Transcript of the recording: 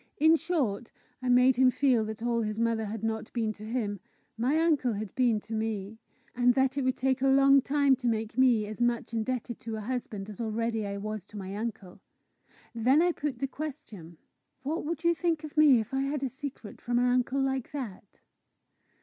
In short, I made him feel that all his mother had not been to him, my uncle had been to me; and that it would take a long time to make me as much indebted to a husband as already I was to my uncle. Then I put the question: "What would you think of me if I had a secret from an uncle like that?"